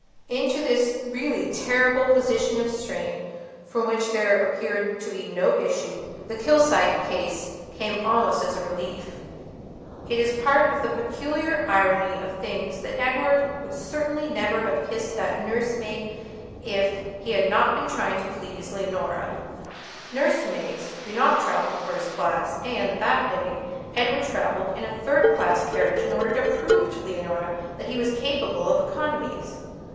Into this really terrible position of strain, from which there appeared to be no issue, the Kilsyte case came almost as a relief. It is part of the peculiar irony of things that Edward would certainly never have kissed that nurse maid if he had not been trying to please Leonora. Nurse maids do not travel first class, and, that day, Edward travelled in a third class carriage in order to prove to Leonora that he was capable of economies.